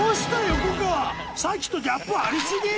横川さっきとギャップあり過ぎ！